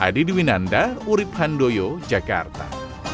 pastikan secara kesehatan dan juga agama